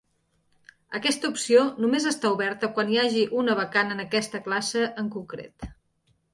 Aquesta opció només està oberta quan hi hagi una vacant en aquesta classe en concret.